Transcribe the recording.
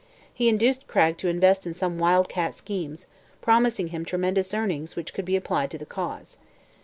He induced Cragg to invest in some wild cat schemes, promising him tremendous earnings which could be applied to the Cause.